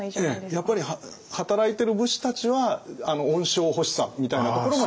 やっぱり働いてる武士たちは恩賞欲しさみたいなところもやっぱりあるんですよね。